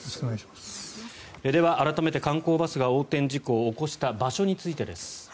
では、改めて観光バスが横転事故を起こした場所についてです。